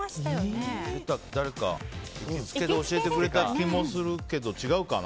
誰か、行きつけで教えてくれた気もするけど違うかな。